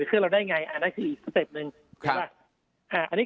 ในเครื่องเราได้ไงอ่านั่นคืออีกสเต็ปหนึ่งครับอ่าอันนี้